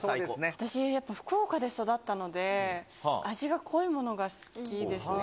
私、やっぱり福岡で育ったので、味が濃いものが好きですね。